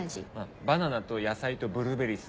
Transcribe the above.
バナナと野菜とブルーベリーっす。